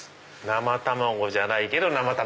生卵じゃないけど生卵！